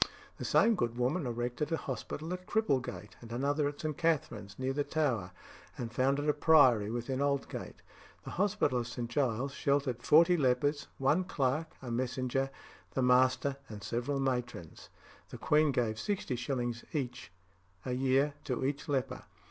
The same good woman erected a hospital at Cripplegate, and another at St. Katharine's, near the Tower, and founded a priory within Aldgate. The hospital of St. Giles sheltered forty lepers, one clerk, a messenger, the master, and several matrons; the queen gave 60s. a year to each leper.